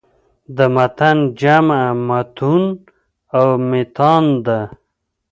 د متن جمع "مُتون" او "مِتان" ده.